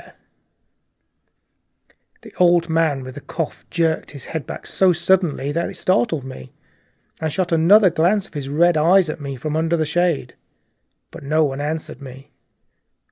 The old man with the cough jerked his head back so suddenly that it startled me, and shot another glance of his red eyes at me from out of the darkness under the shade, but no one answered me.